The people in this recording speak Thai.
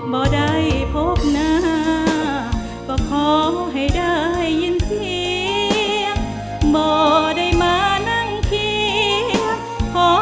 บ่ได้พบหน้าก็ขอให้ได้ยินเสียงบ่ได้มานั่งเคียงพอ